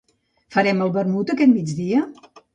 Farem el vermut aquest migdia?